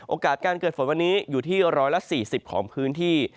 โอกาสการเกิดฝนวันนี้อยู่ที่๑๔๐ของพื้นที่